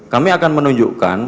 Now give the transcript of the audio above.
kami akan menunjukkan